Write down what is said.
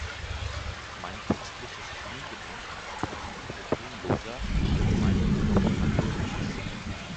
Mein künstliches Kniegelenk arbeitet problemloser als mein noch natürliches.